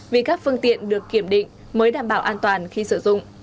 vì các phương tiện được kiểm định mới đảm bảo an toàn khi sử dụng